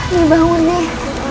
nenek bangun nih